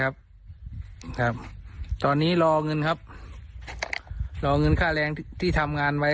ครับครับตอนนี้รอเงินครับรอเงินค่าแรงที่ทำงานไว้